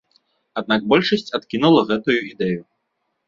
Аднак большасць адкінула гэтую ідэю.